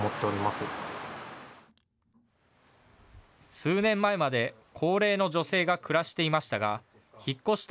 数年前まで高齢の女性が暮らしていましたが引っ越した